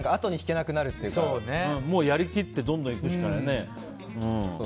やりきってどんどんいくしかないね。